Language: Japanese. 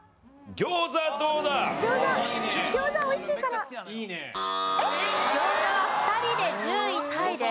餃子は２人で１０位タイです。